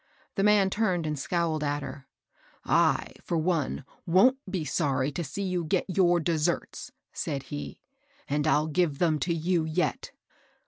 The man turned and scowled at her. " I^ for one, wont be sorry to see you get your deserts, said he ;" and I'll give them to you yet."